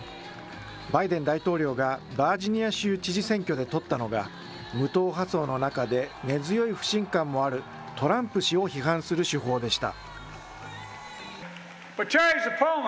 バイデン大統領がバージニア州知事選挙で取ったのが、無党派層の中で根強い不信感もあるトランプ氏を批判する手法でした。